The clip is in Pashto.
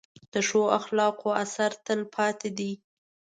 د ښو اخلاقو اثر تل پاتې دی.